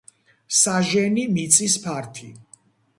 საჟენი მიწის ფართი.